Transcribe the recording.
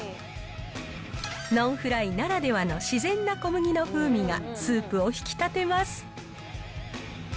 ノンフライならではの自然な小麦の風味がスープを引き立てます。